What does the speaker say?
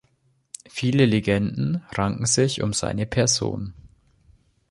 Viele Legenden ranken sich um seine Person.